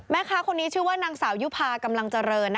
แม่ค้าคนนี้ชื่อว่านางสาวยุภากำลังเจริญ